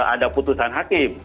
ada putusan hakim